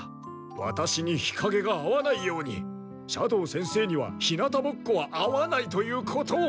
ワタシに日陰が合わないように斜堂先生には日向ぼっこは合わないということを！